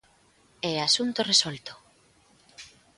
E asunto resolto.